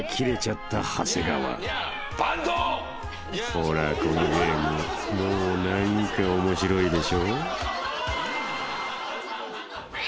［ほらこのゲームもう何かオモシロいでしょ？］